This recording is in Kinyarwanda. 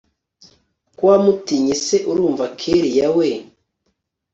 ko wamutinye se urumva kellia we